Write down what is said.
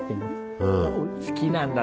好きなんだな。